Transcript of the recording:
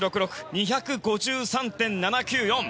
２５３．７９４。